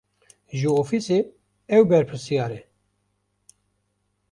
Ji ofîsê ew berpirsiyar e.